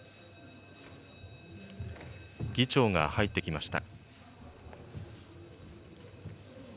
議長が入ってきました。